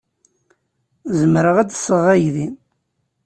Zemreɣ ad d-sɣeɣ aydi?